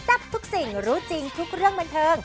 ทับทุกสิ่งรู้จริงทุกเรื่องบันเทิง